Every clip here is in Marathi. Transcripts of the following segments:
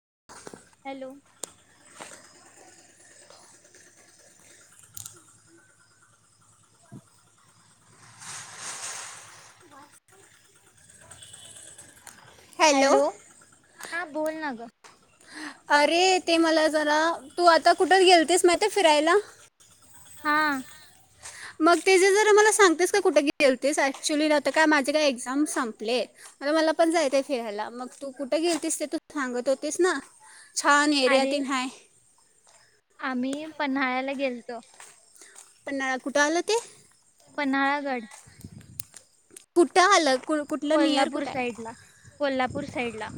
[inaudible] हॅलो हॅलो हां बोलना गं. अरे ते मला जरा, तू आता कुठं गेलतीस माहिते फिरायला? हां मग तेजं जरा मला सांगतेस काय कुठे गेलतीस? ऍक्च्युली ना आता काय माझे काय एक्झाम संपलेय. आता मला पण जायचाय फिरायला, मग तू कुठं गेलतीस ते तू सांगत होतीस ना. छान एरिया अरे तेन हाय. आम्ही पन्हाळ्याला गेलतो. पन्हाळा कुठं आलं ते पन्हाळागड कुठं आल ग? कोल्हापूर साईड ला, कोल्हापूर साईड ला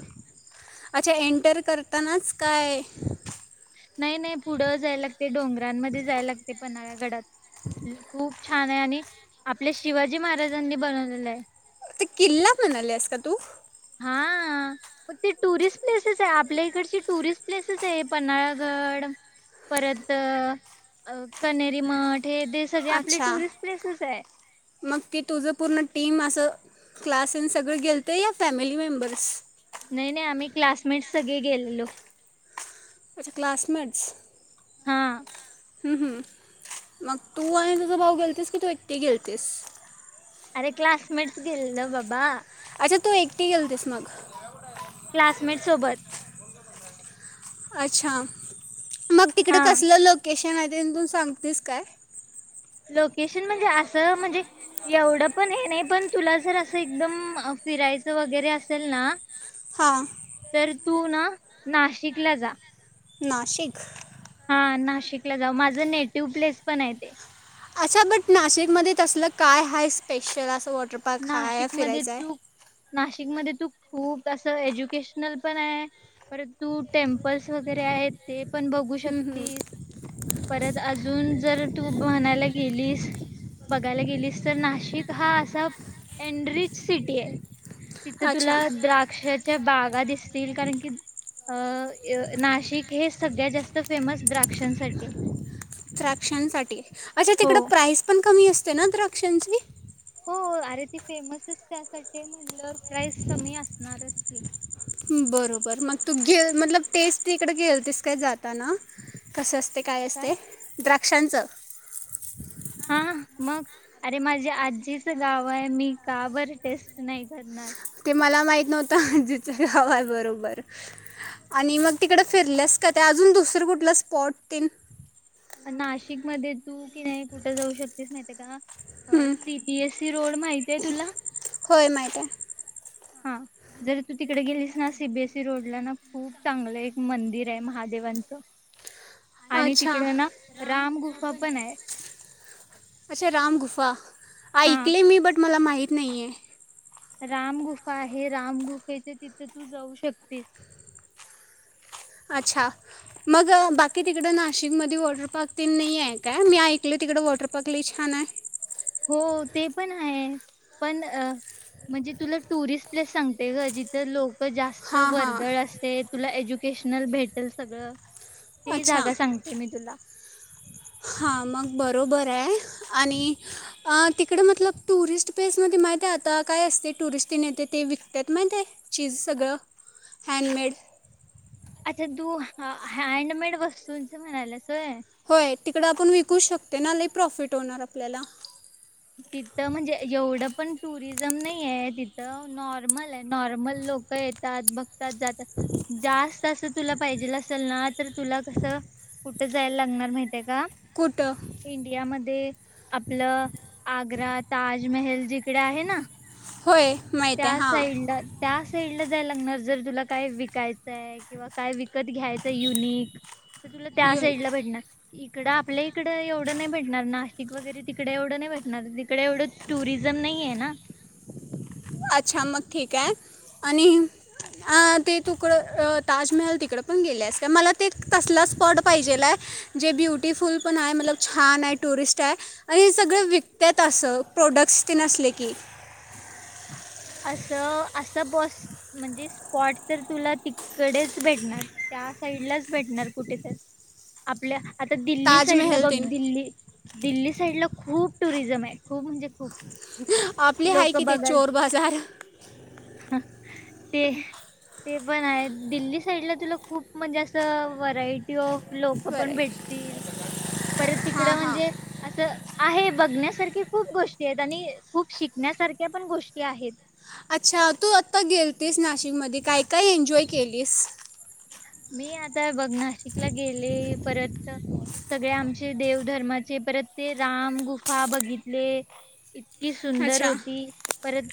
अच्छा एंटर करतांनाच काय नाही नाही पुढं पन्हाळ्या गडात तिथ खूप छान हाय आणि आपल्या शिवाजी महाराजांनी बनवलेलं आहे ते किल्ला म्हणायलेस का तू हां आ् मग ते टुरिस्ट प्लेसेस आहे आपल्या इकडची टुरिस्ट प्लेसेस आहे पन्हाळागड परत कनेरीमठ अच्छा मग ती तुझं पूर्ण टीम असं क्लासन सगळं गेलत या फॅमिली मेंबर्स नाही नाही आम्ही क्लासमेट सगळे गेलेलो अच्छा क्लासमेट्स हा ह ह मग तू आणि तुझ भाऊ गेलतीस की तू एकटी गेलतीस? अरे क्लासमेट्स गेलेलो बाबा अच्छा तू एकटी गेलतेस मग क्लासमेट सोबत अच्छा मग तिकड हा कसलं लोकेशन माहिती तून सांगतेस काय लोकेशन म्हणजे असं म्हणजे एवढं पण हे नाही पण तुला जर असं एकदम फिरायचं वगैरे असेल ना हां तर तू ना नाशिकला जा नाशिक हा नाशिकला जाऊ माझं नेटिव प्लेस पणे ते अच्छा बट नाशिकमध्ये तसलं काय हाय स्पेशल असं वा वॉटरपार्क हाय नाशिकमध्ये फिरायचा हाय तू नाशिकमध्ये तू खूप असं एज्युकेशनल पणे परत टेम्पल्स वगैरे आहे ते पण बघू हं, हं. शकतीस परत अजून जर तू म्हणायला गेलीस बघायला गेलीस तर नाशिक हा असा एनडरिच सिटीये तिथं तुला अच्छा द्राक्ष बागा दिसतील कारण की अ नाशिक हे सगळ्यात जास्त फेमस द्राक्षांसाठीये द्राक्षांसाठी अच्छा तिकडं प्राईज पण कमी असते ना द्राक्षांची हो अरे ती फेमसच त्यासाठीये म्हणल्यावर प्राईस कमी असणारच की बरोबर मग तू घे मतलब टेस्ट तीकडे गेलतेस काय जात कस असते काय असते द्राक्षांचं हा मग अरे माझे आजीचं गाव आहे मी का बर टेस्ट नाही करणार ते मला माहीत नव्हतं आजीच्या गाव आहे बरोबर आणि मग तिकड फिरल्यास का ते अजून दुसर कुठला स्पॉट तेन नाशिक मध्ये तू कि नाही कुठं जाऊ शकतेस माहिती का अ हं. सीबीएससी रोड माहिती ये तुला होय माहीत आहे हा जर तू तिकडे गेलीस ना सीबीएससी रोडला ना खूप चांगलं एक मंदिर आहे महादेवांचं आणि अच्छा, तिकड ना राम गुफा पण आहे अच्छा रामगुफा हा. ऐकले मी बट मला माहि माहीत नाहीये राम गुफा आहे रामगुफेचे तिथे तू जाऊ शकतीस अच्छा मग बाकी तिकडं नाशिकमध्ये वॉटर पार्क तेन नाही आहे काय मी ऐकल तिकडं वॉटर पार्क ल ई छान हाय हो ते पण आहे पण अ म्हणजे तुला टुरिस्ट प्लेस सांगते ग जिथं लोक जास्त हां हां वर्दळ असते तुला एज्यु वकेशनल भेटेल सगळं ती जागा सांगते मी तुला हा मग बरोबर आहे आणि तिकडे मतलब टुरिस्ट प्लेसमध्ये माहित आहे आता काय असते टुरिस्टने येते ते विकतात माहित आहे चीज सगळं हॅडमेड अच्छा तू हँडमेड वस्तूंच म्हणाल्यास होय तिकड आपण विकू शकतोय ना लई प्रॉफिट होणार आपल्याला तिथं म्हणजे एवढं पण टुरिझम नाही आहे तिथं नॉर्मल आहे नॉर्मल लोक येतात बघ पण जात जास्त अस तुला पाहिजेल असेल ना तर तुला कस कुठं जायला लागणार माहित का कुठं इंडियामध्ये आपलं आग्रा ताजमहल जिकडे आहे ना? होय माहीत आहे त्या हां साईडला त्या फिल्ड ला जाय लागणार जर तुला काय विकायचंय किंवा काय विकत घ्यायचं युनिक तर तुला त्या साईड युनिक ला भेटणार इकडं आपल्या इकड एवढं नाही भेटणार नाशिक वगैरे तिकडे एवढं नाही भेटणार तिकडे एवढं टुरिझम नाहीये ना अच्छा मग ठीक आहे आणि ते तुकडं ताजमहल तिकडं पण गेल्यास का मला ते तसला स्पॉट पाहिजेल आहे जे ब्युटिफुल पण आहे मतलब छान आहे टुरिस्ट आहे आणि सगळें विकत्यात असं प्रोडक्ट्स तेन असले की अस अस बस म्हणजे स्पॉट तर तुला तिकडेच भेटणार त्या साइडलाच भेटणार कुठे तर आपल्या आता दिल्ली साईडला ताजमहल बघ ते दिल्ली दिल्ली साईड ला खूप टुरिझम आहे खूप म्हणजे खूप आपली हाय लोक कि ते बघाल चो बाजार ते ते पण आहे दिल्ली साईडला तुला खूप म्हणजे असं व्हरायटी ऑफ लोक बरं पण आहे भेटतील परत तिकड हां हां म्हणजे असं आहे बघण्यासारखी खूप गोष्टी आहेत आणि खूप शिकण्यासारख्या पण गोष् ते आहेत. अच्छा तू आता गेलतीस नाशिक मध्ये काय काय एन्जॉय केलीस. मी आता हे बघ नाशिकला गेले परत सगळे आमचे देवधर्माचे परत ते राम गुफा बघितले. ती सुंदर अच्छा होती परत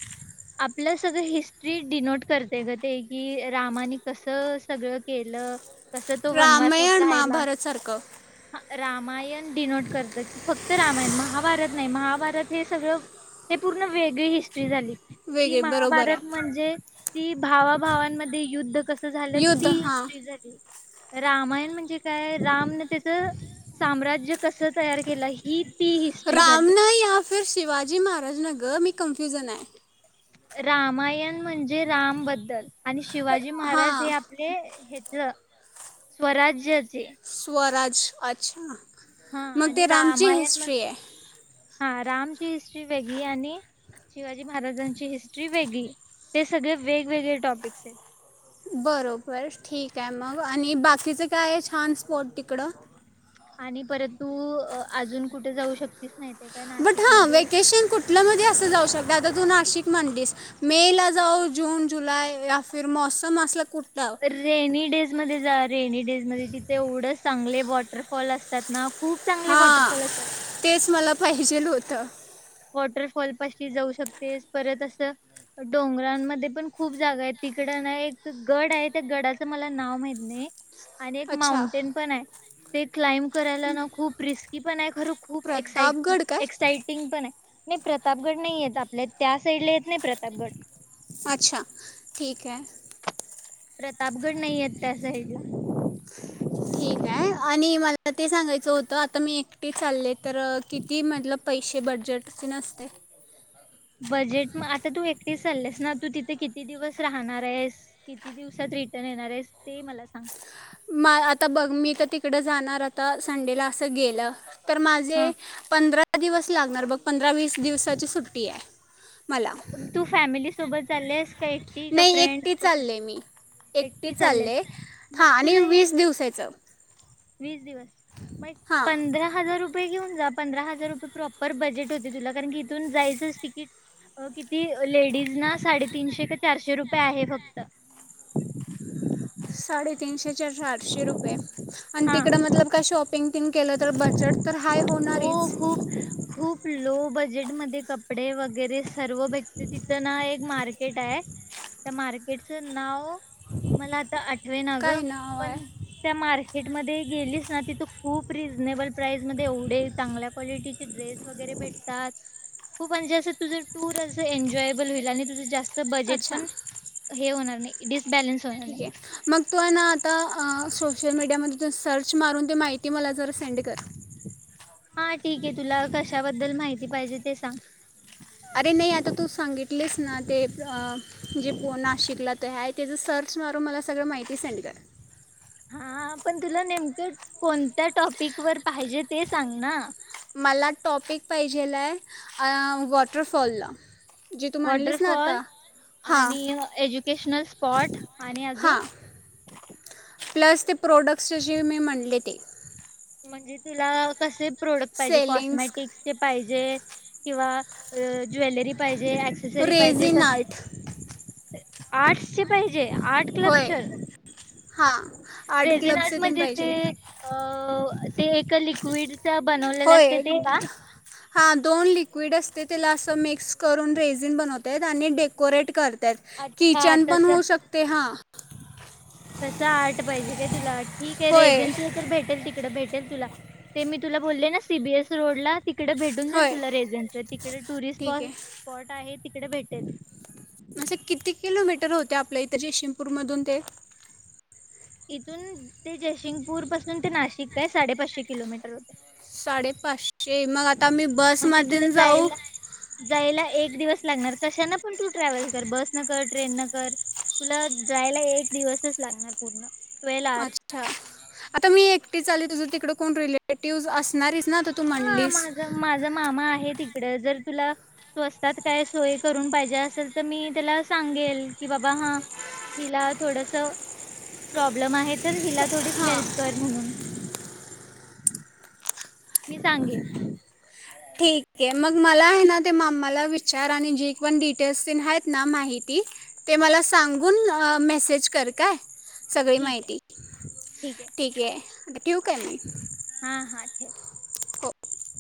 आपलं सगळं हिस्ट्री डिनोट करते ग ते की रामाने कस सगळं केलं. कसं तो वनवासात रामायण राहिला महाभारत सारखं. रामायण डिनोट करतं की फक्त रामायण महाभारत नाही, महाभारत हे सगळं हे पूर्ण वेगळी हिस्ट्री झाली. ती वेगळे बरोबर महाभारत आहे म्हणजे ती भावाभावांमध्ये युद्ध कस झालं युद्ध तीच हां ट्री झाली. रामायण म्हणजे काय रामन त्याचं साम्राज्य कसं तयार केलं ही ती हिस्ट्री राम झाली नाही या फिर शिवाजी महाराज न ग मी कंफ्यूजन हाय. रामायण म्हणजे राम बद्दल आणि शिवाजी महाराज हे हां आपले च स्वराज्यचे स्वराज्य अच्छा. हा मग आणि ते रामची रामायण [unintelligible] हिस्ट्री आहे हा राम ची हिस्ट्री वेगळी आणि शिवाजी महाराजांची हिस्ट्री वेगळी ते सगळे वेगवेगळे टॉपिक्स आहेत. बरोबर ठीक आहे मग आणि बाकीचं काय छान स्पॉट तिकडं. आणि परंतू अ अआजून कुठ जाऊ शकतीस माहितीय का बट हा नाशिकमध्ये व्हेकेशन कुठल्या मध्ये असं जाऊ शकते आता तू नाशिक म्हणलीस मे ला जाऊ जून जुलै या फिर मोसम असला कुठ रेनी डेज मध्ये जा रेनी डेज मध्ये तिथे एवढं चांगले वॉटरफॉल असतात ना? खूप चांगले हा वॉटरफॉल असतात. तेच मला पाहिजे ल हो [inaudible] वॉटरफॉल पाशी जाऊ शकतेस परत असं डोंगरांमध्ये पण खूप जागा आहे तिकड ना एक गड आहे त्या गडाचं मला नाव माहीत नाही. आणि एक अच्छा माउंटेन पण हाय. ते क्लाइम्ब करायला ना खूप रिस्की पण हाय खरं खूप एक्साट प्रतापगड काय एक्सायटिंग पण हाय. नाही प्रतापगड नाही येत आपल्या त्या साईडला येत नाही प्रतापगड. अच्छा ठीक ये प्रतापगड नाही येत त्या साईडला. ठीक आहे आणि मला ते सांगायचं होत आता मी एकटी चालले तर किती मतलब पैसे बड बजेट कितीन असतय बजेट मग आता तू एकटे चाललेस ना तू तिथे किती दिवस राहणार आहेस किती दिवसात रिटर्न येणार आहेस ते मला सांग? म आता बघ मी तर तिकड जाणार आता संडेला असं गेलं तर हा माझे पंधरा दिवस लागणार बघ पंधरा वीस दिवसाची सुट्टी आहे. मला तू फॅमिलीस सोबत चालेस? काय एकटी की नाही फ्रेंड एकटी कस चालले मी एकटी चाललेस? मग हां आणि तुला एक वीस दिवसाचं वीसदिवस मग हां पंधरा हजार रु पे घेऊन जा पधरा हजार रुपये प्रॉपर बजेट होते तुला कारण की इथून जायचंच तिकीट अ किती लेडीज ना साडेतीनशे क चारशे रुपये आहे फक्त साडेतीनशे चारशे आठशे रुपये आणि हा तिकडं मतलब काय शॉप- पिंगतेन केलतर बजेट तर हय हो, खूप खूप लो बजेट मध्ये कपडे वगैरे स सर्व भेटत तिथंना एक मार्क र्केट आहे मार्केटच नाव मला आता आठ ठवेना ग काय नाव आहे पण त्या मार्के मार्केट मध्ये गेलीसना तिथू खूप रिझनेबल प्राईस मध्ये एवढे चांगल्या क्वालिटी ड्रेस वगैर भेटतात खूप म्हणजे अस तुझ टूर अस एन्जॉबल होईल आणि तुझ जास्त तू बजेट अच्छा पण हे होणार नय डिस ठीक आहे - मग तू अन आता अं शो सोशल मीडियामध्ये सर्च मारून ते माहिती मला जरा सेंड कर हां ठीक आहे तुला कशाबद्दल माहिती पाहिजे ते सांग? अरे नाही आता तू सांगितलीस ना ते [inaudible] जे पो नाशिकला ते आहेत त्याचं सर्च मारून मला सगळं माहिती सेंड कर हां हां पण तुला नेमकं कोणत्या टॉपिक वर पाहिजे ते सांग ना? मला टॉपिक पाहिजेलाय अं वॉटरफॉल ला वॉटरफॉल हां आणि एज्युकेशनल स्पॉट आणि हां अजून- प्लस ते प्रोडक्ट्स जे मी म्हणले ते म्हणजें तुला कसे- प्रोडक्ट पाहिजे सेलिंग्स कॉस्मेटिक्स चे पाहिजे जे किंवा अ ज्वेलरी पाहि जे ॲक्सेसरी पाहिजे रेझिन कसे आर्ट आर्टस चे पै? जे आर्ट होय क्लबचर हां रेजिन आर्ट म्हणजे ते अं ते एका लिक्विड होय हां दोन लि- क्विड असतय त्याला असं मिक्स करून रेझिन बनवत्यात आहेत आणि डेकोरेट कर त्यात अच्छा किचन पण तस होऊ शकतंय हां [inaudible] तसं आर्ट पाहिजे काय तुला आट् ठीक आहे होय रेझिन तर भेटेल तिकडे भेटेल तुला ते मी तुला बोलले ना सीबीएस रोड ला तिकडे भेटून जाईल होय तुला रेझंनच तिकडे ठीक टुरिस्पाॅस आहे स्पॉट आहेत तिकडं भेटेल असं किती किलोमीटर होतंय, आपल्या इतर जयसिंगपूरमधून ते? इथून ते जयसिंगपूर पासून ते नाशिक ये साडे पाचशे किलोमीटर साडेे पाचशे शे मग आता मी बस म्हणजे तुला मधून जाऊ? जायला जायला एक दिवस लागणार कशान पण तू ट्रॅव्हल कर बस न कर, ट्रेन न कर, तुला जायला एक दिवसच लागणार पूर्ण. ट्वेल्व आवर्स अच्छा, आता मी एकटीच आली तुझ तिकडं कोण रिलेटिवज् असणारीच ना तर तू हा म्हणलीस माझ माझा मामा आहे ति् कड जर तुला स्वस्तात काय सोय करून पाहिजे असेल तर, मी त्याला सांगेल कि बाबा हां हिला थोडंस प्रॉब्लंम आहे तर हिला थोडी हां हेल्प कर म्हणून. मी सांगेन ठीक आहे, मग मला आहे ना ते मामाला विचार आणि जे पण डिटेल्स् तेन आहेत ना माहिती ते मला सांगून मेसेज कर काय? सगळी ठीक आहे माहिती ठीक? ये ठेऊ काय मी हा हा ठेव. हो -